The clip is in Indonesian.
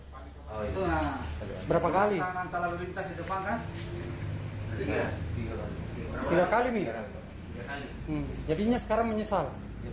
jadinya sekarang menyesal